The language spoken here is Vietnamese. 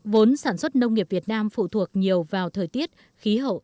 vốn sản xuất nông nghiệp việt nam phụ thuộc nhiều vào thời tiết khí hậu